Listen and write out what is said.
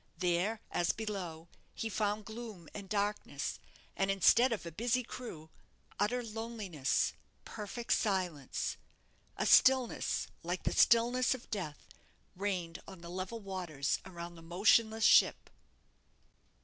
There, as below, he found gloom and darkness, and instead of a busy crew, utter loneliness, perfect silence. A stillness like the stillness of death reigned on the level waters around the motionless ship.